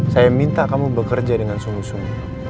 saya minta kamu bekerja dengan sumusung